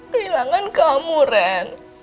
kehilangan kamu ren